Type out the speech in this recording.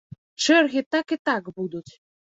Чэргі так і так будуць.